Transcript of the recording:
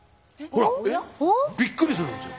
えっ？びっくりするんですよ。